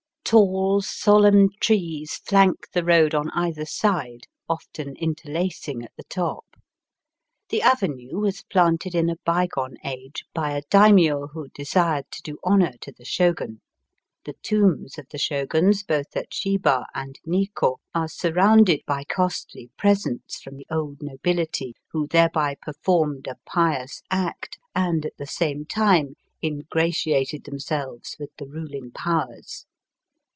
Tall solemn trees flank the road on either side, often interlacing at the top. The avenue was planted in a bygone age by a Daimio who desired to do honour to the Shogun. The tombs of the Shoguns both at Shiba and Nikko are sur rounded by costly presents from the old nobility, who thereby performed a pious act,, and at the same time ingratiated themselves with the ruKng powers.